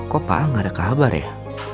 kok pak al nggak ada kabar ya